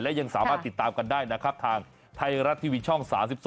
และยังสามารถติดตามกันได้นะครับทางไทยรัฐทีวีช่อง๓๒